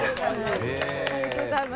ありがとうございます。